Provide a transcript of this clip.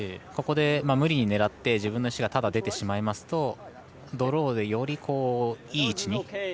ここで無理に狙って自分の石がただ出てしまいますとドローで、よりいい位置に。